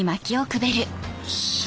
よっしゃ！